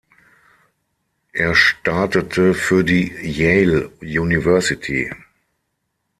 Er startete für die Yale University.